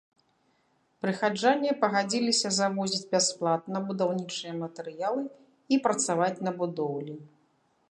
Прыхаджане пагадзіліся завозіць бясплатна будаўнічыя матэрыялы і працаваць на будоўлі.